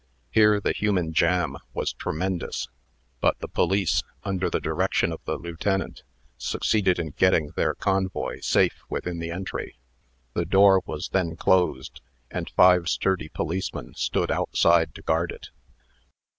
Here the human jam was tremendous; but the police, under the direction of the lieutenant, succeeded in getting their convoy safe within the entry. The door was then closed, and five sturdy policemen stood outside to guard it.